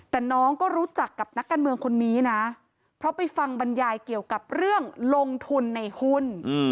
แต่น้องก็รู้จักกับนักการเมืองคนนี้นะเพราะไปฟังบรรยายเกี่ยวกับเรื่องลงทุนในหุ้น